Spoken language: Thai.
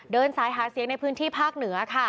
เดินสายหาเสียงในพื้นที่ภาคเหนือค่ะ